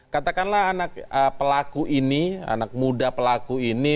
katakanlah anak pelaku ini anak muda pelaku ini